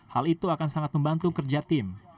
hal itu akan sangat membantu kerja tim